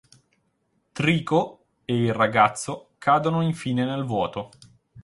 Trico e il ragazzo cadono infine nel vuoto.